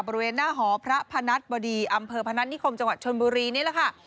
บริเวณหน้าหอพระพนัทบดีอำเภอพนัฐนิคมจังหวัดชนบุรีนี่แหละค่ะ